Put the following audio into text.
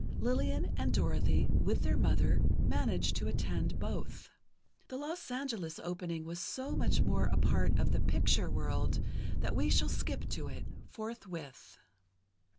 Lillian and Dorothy, with their mother, managed to attend both. The Los Angeles opening was so much more a part of the "picture" world that we shall skip to it, forthwith.